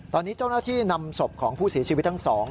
ตอนนี้เจ้าหน้าที่นำศพของผู้เสียชีวิตทั้งสอง